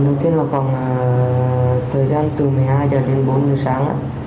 đầu tiên là khoảng thời gian từ một mươi hai h đến bốn giờ sáng